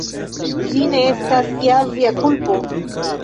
Ĝi ne estas ja via kulpo!